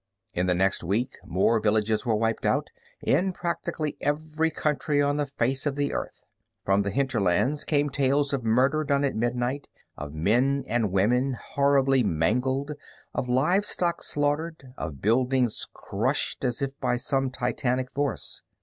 In the next week more villages were wiped out, in practically every country on the face of the Earth. From the hinterlands came tales of murder done at midnight, of men and women horribly mangled, of livestock slaughtered, of buildings crushed as if by some titanic force.